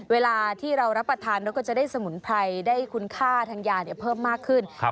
เวลาที่เรารับประทานเราก็จะได้สมุนไพรได้คุณค่าทางยาเพิ่มมากขึ้น